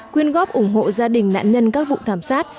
quyên góp ủng hộ gia đình nạn nhân các vụ thảm sát